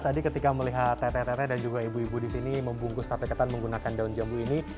tadi ketika melihat tete tete dan juga ibu ibu di sini membungkus tape ketan menggunakan daun jambu ini